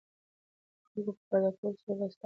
د خلکو په پرده کولو سره به ستا پرده وشي.